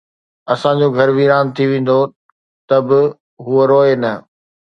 اسان جو گهر ويران ٿي ويندو ته به هو روئي نه